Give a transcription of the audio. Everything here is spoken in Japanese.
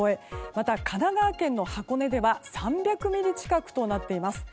また、神奈川県の箱根では３００ミリ近くとなっています。